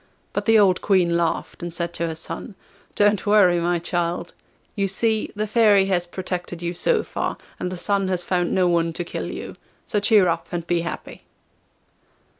But the old Queen laughed, and said to her son: 'Don't worry, my child; you see, the Fairy has protected you so far, and the Sun has found no one to kill you. So cheer up and be happy.